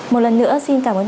một lần nữa xin cảm ơn ông